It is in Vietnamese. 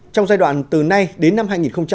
trong giai đoạn từ nay đến năm hai nghìn hai mươi